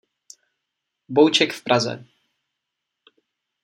Bouček v Praze.